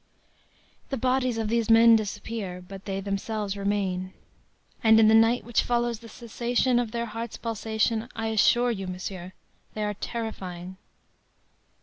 “The bodies of these men disappear, but they themselves remain; and in the night which follows the cessation of their heart's pulsation I assure you, monsieur, they are terrifying.